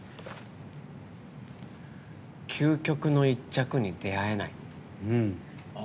究極の一着に出会えない。